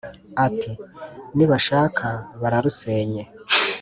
Ati : Nibashaka bararusenye